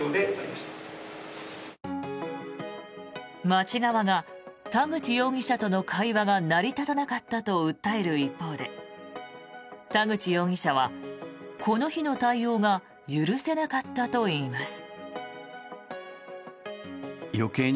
町側が田口容疑者との会話が成り立たなかったと訴える一方で田口容疑者は、この日の対応が許せなかったといいます。